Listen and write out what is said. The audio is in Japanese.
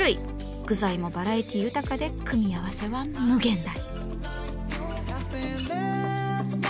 具材もバラエティー豊かで組み合わせは無限大。